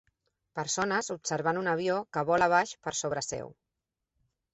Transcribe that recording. Persones observant un avió que vola baix per sobre seu.